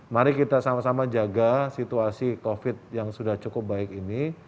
mari kita sama sama jaga situasi covid yang sudah cukup baik ini